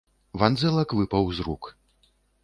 Вандзэлак выпаў з рук.